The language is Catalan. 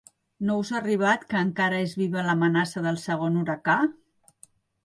No us ha arribat que encara és viva l'amenaça del segon huracà?